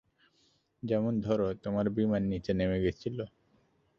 যেমন ধরো তোমার বিমান নিচে নেমে গেছিলো?